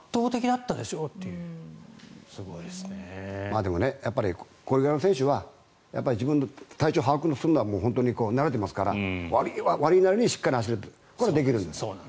でも、これぐらいの選手は自分の体調把握に努めるのは慣れていますから悪いは悪いなりにしっかり走ることができるんです。